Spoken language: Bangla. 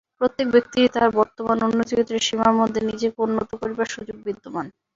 প্রত্যেক ব্যক্তিরই তাহার বর্তমান উন্নতিক্ষেত্রের সীমার মধ্যে নিজেকে উন্নত করিবার সুযোগ বিদ্যমান।